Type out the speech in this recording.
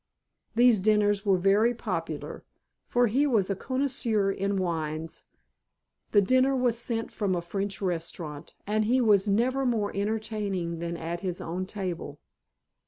These dinners were very popular, for he was a connoisseur in wines, the dinner was sent from a French restaurant, and he was never more entertaining than at his own table.